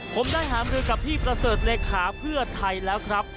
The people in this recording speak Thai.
ผมได้หามรือกับพี่ประเสริฐเลขาเพื่อไทยแล้วครับ